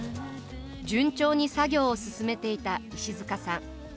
順調に作業を進めていたいしづかさん。